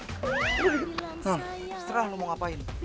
tuh seterah lo mau ngapain